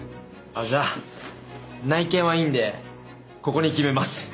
あっじゃあ内見はいいんでここに決めます。